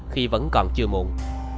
khi vẫn còn chưa muộn